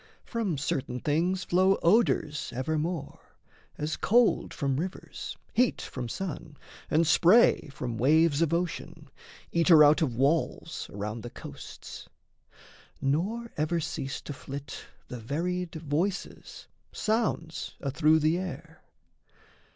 From certain things flow odours evermore, As cold from rivers, heat from sun, and spray From waves of ocean, eater out of walls Around the coasts. Nor ever cease to flit The varied voices, sounds athrough the air.